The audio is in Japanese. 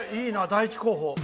第一候補。